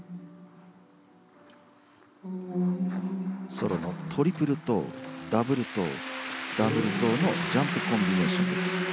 ソロのトリプルトウダブルトウダブルトウのジャンプコンビネーションです。